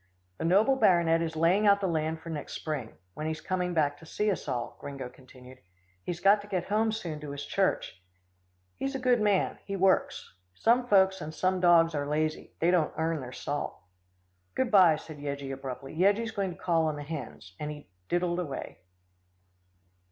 "The noble baronet is laying out the land for next spring, when he's coming back to see us all," Gringo continued. "He's got to get home soon to his church. He's a good man he works. Some folks and some dogs are lazy they don't earn their salt." "Good bye," said Yeggie abruptly. "Yeggie's going to call on the hens," and he diddled away.